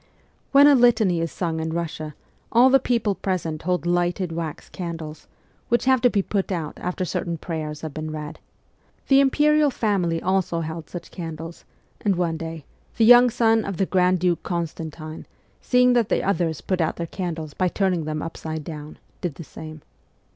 When a litany is sung in Kussia all the people present hold lighted wax candles, which have to be put out after certain prayers have been read. The Imperial family also held such candles, and one day the young son of the grand duke Constantine, seeing that the others put out their candles by turning them upside down, did the same.